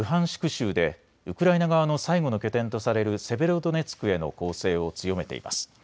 州でウクライナ側の最後の拠点とされるセベロドネツクへの攻勢を強めています。